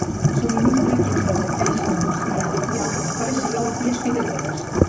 Subministra equips de neteja industrial i d'alta pressió i aspiradores.